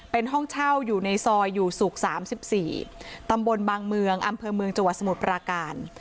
เป็นห้องเช่าอยู่ในซอยอยู่ศุกร์๓๔ตำบลบางเมืองอำเภอเมืองจังหวัดสมุทรปราการ